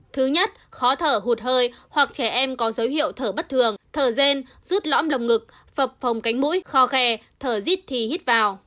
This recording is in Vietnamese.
thứ nhất khó thở hụt hơi hoặc trẻ em có dấu hiệu thở bất thường thở gen rút lõm lồng ngực phòng cánh mũi kho khe thở dít thì hít vào